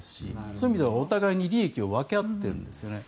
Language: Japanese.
そういう意味ではお互いに利益を分け合っているんですよね。